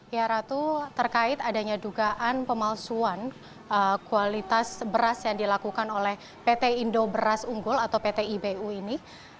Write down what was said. ya ratu terkait adanya dugaan pemalsuan kualitas beras yang dilakukan oleh pt indo beras unggul atau pt ibu ini